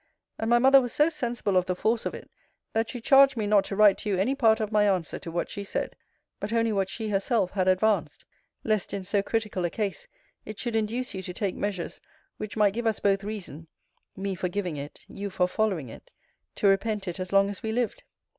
And my mother was so sensible of the force of it, that she charged me not to write to you any part of my answer to what she said; but only what she herself had advanced; lest, in so critical a case, it should induce you to take measures which might give us both reason (me for giving it, you for following it) to repent it as long as we lived.